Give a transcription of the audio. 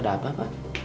ada apa pak